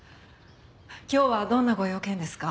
今日はどんなご用件ですか？